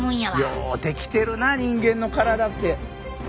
ようできてるな人間の体って！